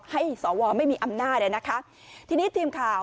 ให้สอวอมไม่มีอำนาจเลยนะคะที่นี้ทีมข่าว